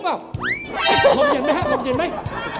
ลมเย็นไหมฮะลมเย็นไหม